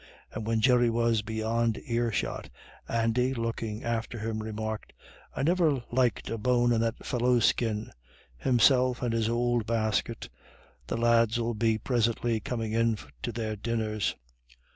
And when Jerry was beyond earshot, Andy, looking after him, remarked, "I niver liked a bone in that fellow's skin. Himself and his ould basket. The lads 'ill be prisintly comin' in to their dinners."